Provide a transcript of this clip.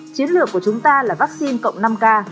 chiến lược của chúng ta là vaccine cộng năm k